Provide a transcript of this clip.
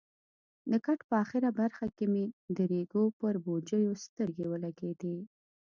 د کټ په اخره برخه کې مې د ریګو پر بوجیو سترګې ولګېدې.